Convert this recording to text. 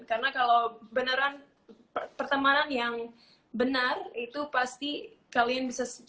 karena kalau pertemanan yang benar itu pasti kalian bisa selamat